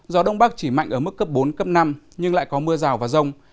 gió đông bắc chỉ mạnh ở mức cấp bốn cấp năm nhưng lại có mưa rào và rông